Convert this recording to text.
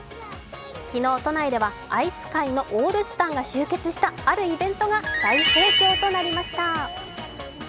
昨日、都内ではアイス界のオールスターが集結したあるイベントが大盛況となりました。